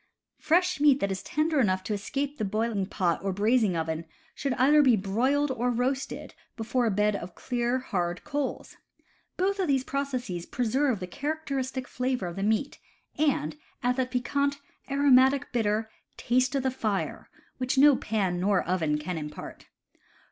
Fresh meat that is tender enough to escape the boil ing pot or the braising oven should either be broiled or roasted before a bed of clear, hard coals. Both of these processes preserve the characteristic flavor of the meat, and add that piquant, aromatic bitter "taste of the fire" which no pan nor oven can impart.